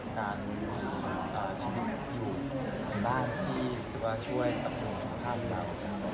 การมีความความชีวิตอยู่สำหรับบ้านที่สุดการณ์ช่วยที่ข้ามพิบัติ